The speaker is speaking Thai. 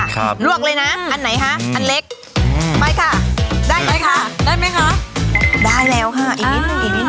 ได้แล้วค่ะอีกนิดนึง